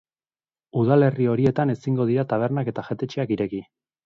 Udalerri horietan ezingo dira tabernak eta jatetxeak ireki.